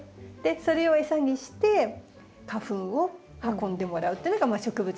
それを餌にして花粉を運んでもらうっていうのが植物の花の戦略なんです。